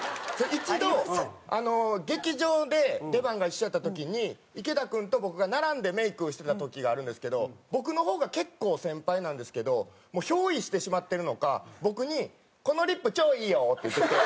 一度劇場で出番が一緒やった時に池田君と僕が並んでメイクしてた時があるんですけど僕の方が結構先輩なんですけどもう憑依してしまってるのか僕に「このリップ超いいよ！」って言ってきて。